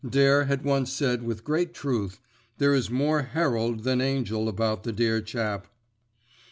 Dare had once said with great truth, "There is more herald than angel about the dear chap."